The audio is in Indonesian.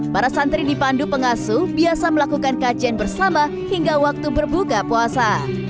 para santri dipandu pengasuh biasa melakukan kajian bersama hingga waktu berbuka puasa